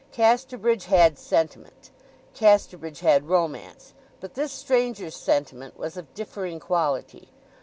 Casterbridge had sentiment—Casterbridge had romance; but this stranger's sentiment was of differing quality.